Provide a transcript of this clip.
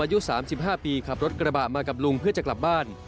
อายุ๓๕ปีขับรถกระบะมากับลุงเพื่อจะกลับบ้าน